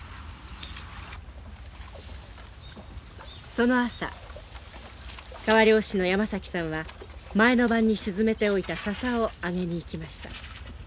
その朝川漁師の山崎さんは前の晩に沈めておいた笹を揚げにいきました。